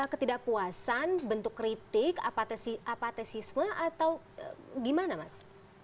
ketidakpuasan bentuk kritik apatisisme atau gimana mas